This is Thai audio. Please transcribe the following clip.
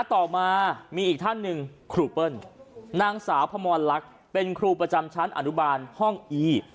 ต่อมามีอีกท่านหนึ่งครูเปิ้ลนางสาวพมรลักษณ์เป็นครูประจำชั้นอนุบาลห้องอี